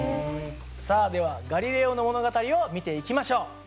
さあではガリレオの物語を見ていきましょう。